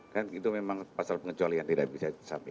kan itu memang pasal pengecualian tidak bisa sampai